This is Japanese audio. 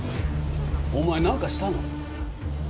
お前何かしたの？